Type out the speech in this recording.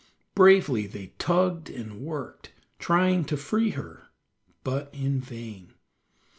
Bravely they tugged and worked, trying to free her, but in vain.